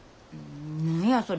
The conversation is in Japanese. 何やそれ。